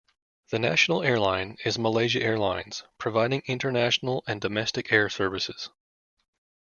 The national airline is Malaysia Airlines, providing international and domestic air services.